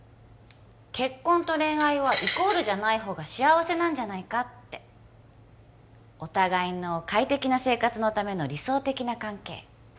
結婚と恋愛はイコールじゃないほうが幸せなんじゃないかってお互いの快適な生活のための理想的な関係